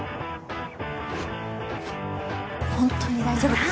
ホントに大丈夫です。